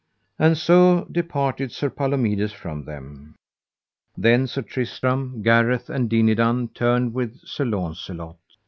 And so departed Sir Palomides from them. Then Sir Tristram, Gareth, and Dinadan, turned with Sir Launcelot.